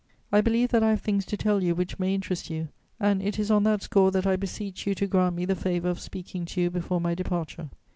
I believe that I have things to tell you which may interest you, and it is on that score that I beseech you to grant me the favour of speaking to you before my departure.